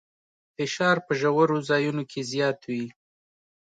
فشار په ژورو ځایونو کې زیات وي.